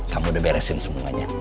kamu udah beresin semuanya